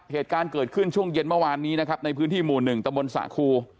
เหตุการณ์เกิดขึ้นช่วงเย็นเมื่อวานนี้นะครับในพื้นที่หมู่หนึ่งตะบนสะครู